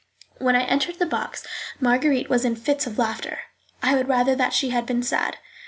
When I entered the box Marguerite was in fits of laughter. I would rather that she had been sad.